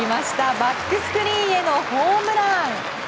バックスクリーンへのホームラン！